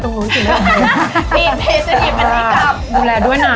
ดูแลด้วยนะ